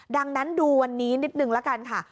ดังนั้นดูวันนี้นิดนึงละกันค่ะ